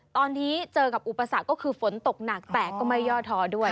ตอนนี้เจอกับอุปสรรคก็คือฝนตกหนักแต่ก็ไม่ย่อท้อด้วย